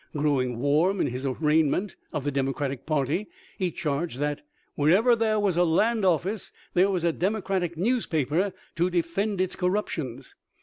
Growing warm in his arraignment of the Democratic party, he charged that " wher ever there was a land office there was a Democratic newspaper to defend its corruptions."